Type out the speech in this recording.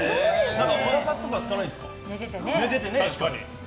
おなかとかすかないんですか？